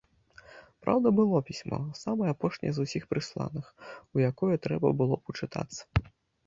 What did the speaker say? Праўда, было пісьмо, самае апошняе з усіх прысланых, у якое трэба было б учытацца.